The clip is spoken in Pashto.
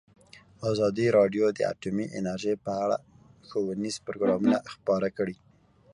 ازادي راډیو د اټومي انرژي په اړه ښوونیز پروګرامونه خپاره کړي.